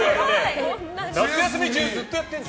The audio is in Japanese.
夏休み中、ずっとやってるんだ。